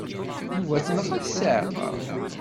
Yuba tenɣa-t ssiɛqa.